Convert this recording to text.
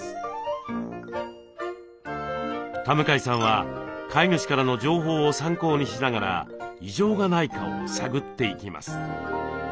田向さんは飼い主からの情報を参考にしながら異常がないかを探っていきます。